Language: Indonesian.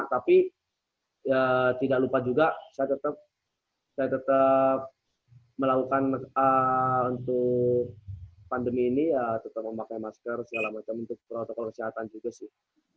tapi ya tidak lupa juga saya tetap melakukan untuk pandemi ini ya tetap memakai masker segala macam untuk protokol kesehatan juga sih